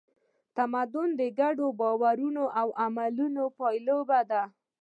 تمدن د ګډو باورونو او عملونو پایله ده.